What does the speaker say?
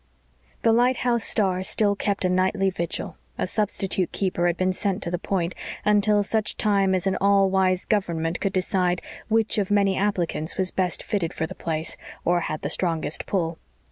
The lighthouse star still kept a nightly vigil; a substitute keeper had been sent to the Point, until such time as an all wise government could decide which of many applicants was best fitted for the place or had the strongest pull.